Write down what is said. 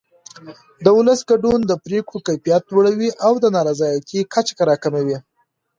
د ولس ګډون د پرېکړو کیفیت لوړوي او د نارضایتۍ کچه راکموي